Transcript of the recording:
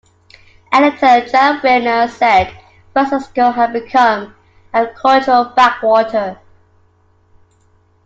Editor Jann Wenner said San Francisco had become "a cultural backwater".